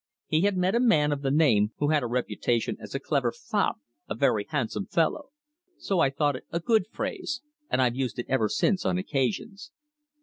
He had met a man of the name, who had a reputation as a clever fop, a very handsome fellow. So I thought it a good phrase, and I've used it ever since on occasions.